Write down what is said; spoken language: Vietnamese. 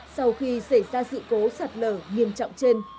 sau khi xảy ra sự cố sạt lở nghiêm trọng trên